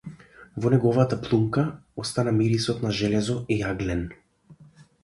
Во неговата плунка остана мирисот на железо и јаглен.